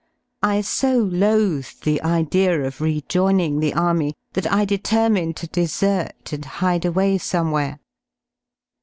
fl so loathed the idea of rejoining the Army thatj. dj^terminedjo_deser^ hide away somewhere.